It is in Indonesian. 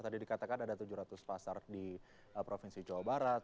tadi dikatakan ada tujuh ratus pasar di provinsi jawa barat